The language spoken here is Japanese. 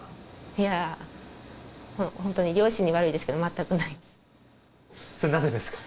いやホントに両親に悪いですけど全くないなぜですか？